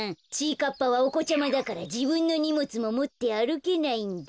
かっぱはおこちゃまだからじぶんのにもつももってあるけないんだ。